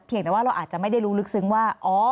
แต่ว่าเราอาจจะไม่ได้รู้ลึกซึ้งว่า